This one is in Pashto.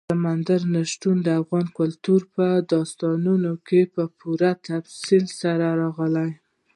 سمندر نه شتون د افغان کلتور په داستانونو کې په پوره تفصیل سره راځي.